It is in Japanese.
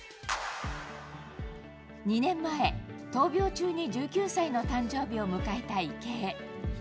２年前、闘病中に１９歳の誕生日を迎えた池江。